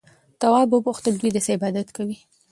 تواب وپوښتل دوی د څه عبادت کوي؟